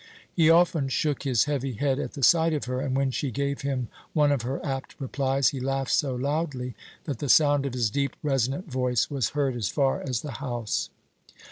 He often shook his heavy head at the sight of her, and when she gave him one of her apt replies, he laughed so loudly that the sound of his deep, resonant voice was heard as far as the house.